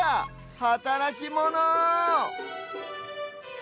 はたらきモノ！